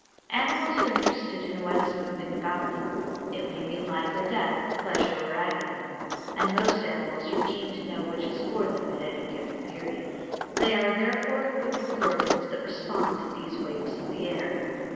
Animals are interested in what is moving about them. It may mean life or death, pleasure or agony, and most animals are keen to know which is for them at any given period. They are therefore equipped with organs that respond to these waves of the air.